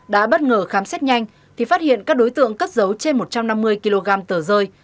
đã bất ngờ khám xét nhanh thì phát hiện các đối tượng cất dấu trên một trăm năm mươi kg tờ rơi